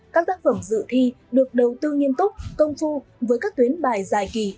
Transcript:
các tác phẩm dự thi được đầu tư nghiêm túc công phu với các tuyến bài dài kỳ